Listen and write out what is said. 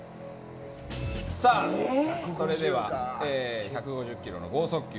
それでは１５０キロの豪速球